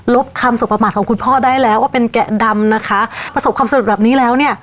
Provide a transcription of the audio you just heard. คำสบประมาทของคุณพ่อได้แล้วว่าเป็นแกะดำนะคะประสบความสำเร็จแบบนี้แล้วเนี่ย